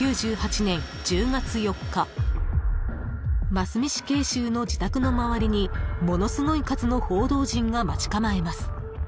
［真須美死刑囚の自宅の周りにものすごい数の報道陣が待ち構えます］